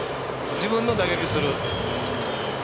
自分の打撃する。